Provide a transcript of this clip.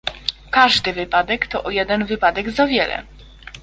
Każdy wypadek to o jeden wypadek za wiele